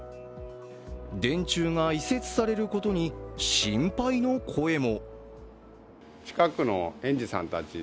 電柱が移設されることに心配の声も。